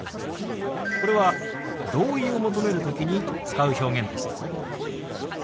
これは同意を求める時に使う表現ですよ。